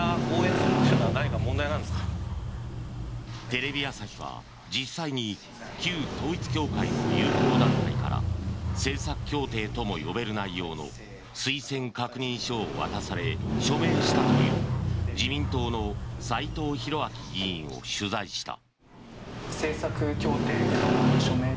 テレビ朝日は実際に旧統一教会の友好団体から政策協定とも呼べる内容の推薦確認書を渡され署名したという自民党の斎藤洋明議員を取材した。